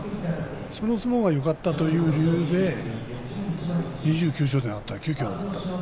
その相撲がよかったという理由で２９勝で上がった。